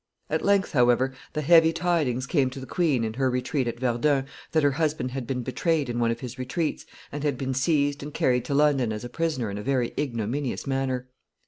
At length, however, the heavy tidings came to the queen, in her retreat at Verdun, that her husband had been betrayed in one of his retreats, and had been seized and carried to London as a prisoner in a very ignominious manner.